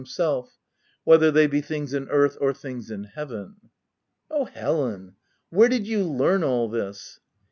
13 himself, whether they be things in earth or things in heaven. 5 " Oh, Helen ! where did you learn all this